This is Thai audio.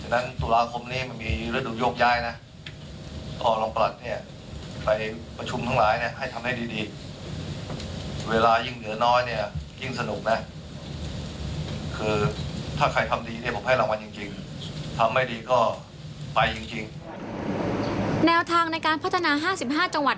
แนวทางในการพัฒนา๕๕จังหวัด